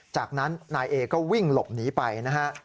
จากนั้นนายเอก็วิ่งหลบหนีไปนะฮะ